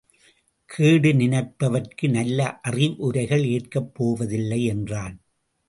கேடு நினைப்பவர்க்கு நல்ல அறிவுரைகள் ஏற்கப் போவதில்லை என்றான்.